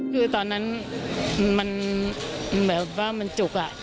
คือตอนนั้นมันเหมือนว่ามันจุกอ่ะ